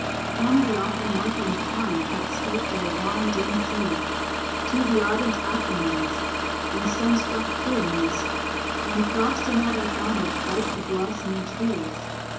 From the awful northland pines That skirt their wan dim seas To the ardent Apennines And sun struck Pyrenees, One frost on all their frondage bites the blossoming trees.